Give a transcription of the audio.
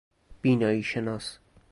بینایی شناس